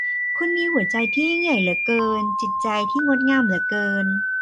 คุณมีหัวใจที่ยิ่งใหญ่เหลือเกิน จิตใจที่งดงามเหลือเกิน